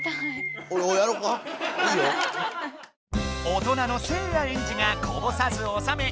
大人のせいやエンジがこぼさずおさめ